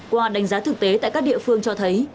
qua đánh giá thực tế tại các địa phương cho thấy